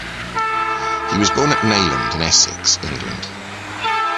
He was born at Nayland in Essex, England.